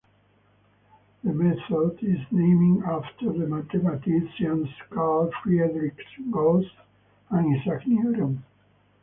The method is named after the mathematicians Carl Friedrich Gauss and Isaac Newton.